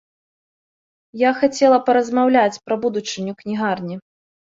Я хацела паразмаўляць пра будучыню кнігарні.